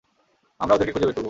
আমরা ওদেরকে খুঁজে বের করবো।